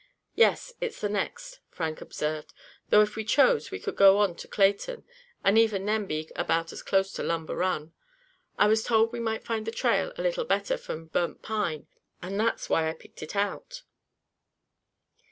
"Yes, it's the next," Frank observed, "though if we chose we could go on to Clayton, and even then be about as close to Lumber Run. I was told we might find the trail a little better from Burnt Pine, and that's why I picked it out."